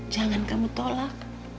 jangan kamu tolak